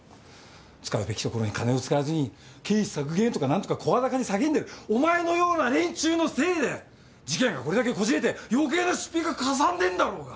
使うべきところに金を使わずに経費削減とか何とか声高に叫んでるお前のような連中のせいで事件がこれだけこじれて余計な出費がかさんでんだろうが。